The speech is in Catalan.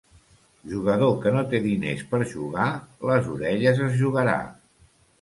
Jugador que no té diners per jugar, les orelles es jugarà.